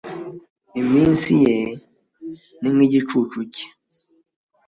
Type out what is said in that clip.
Iminsi ye ni nk igicucu cye